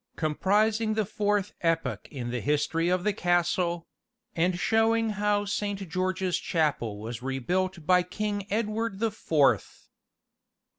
Comprising the Fourth Epoch in the History of the Castle And showing how Saint George's Chapel was rebuilt by King Edward the Fourth.